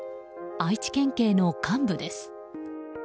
愛知県警の幹部です。